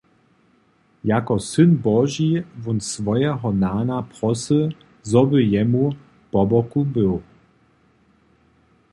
Jako syn Boži wón swojeho nana prosy, zo by jemu poboku był.